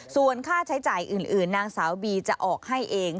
ส่วนค่าใช้จ่ายอื่นนางสาวบีจะออกให้เอง